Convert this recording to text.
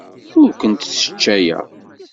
Ur kent-sseccayeɣ.